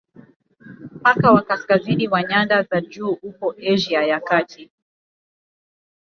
Mpaka wa kaskazini wa nyanda za juu upo Asia ya Kati.